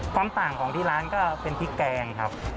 ความต่างของที่ร้านก็เป็นพริกแกงครับ